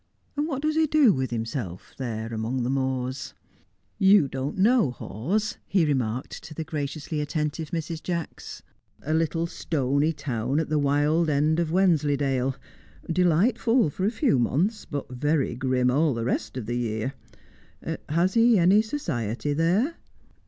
"And what does he do with himself there among the moors? You don't know Hawes," he remarked to the graciously attentive Mrs. Jacks. "A little stony town at the wild end of Wensleydale. Delightful for a few months, but very grim all the rest of the year. Has he any society there?"